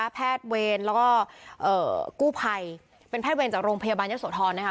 แพทย์เวรแล้วก็กู้ภัยเป็นแพทย์เวรจากโรงพยาบาลเยอะโสธรนะคะ